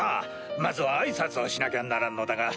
まずはあいさつをしなきゃならんのだが。